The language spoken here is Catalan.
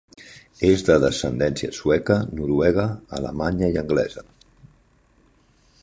És de descendència sueca, noruega, alemanya i anglesa.